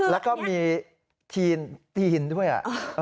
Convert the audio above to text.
แล้วก็มีทีนด้วย